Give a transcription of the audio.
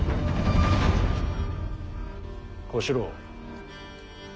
小四郎。